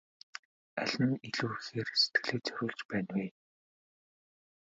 Аль нь илүү ихээр сэтгэлээ зориулж байна вэ?